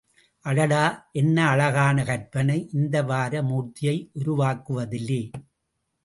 அடடா, என்ன அழகான கற்பனை, இந்த வராக மூர்த்தியை உருவாக்குவதிலே!